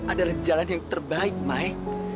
adalah jalan yang terbaik mae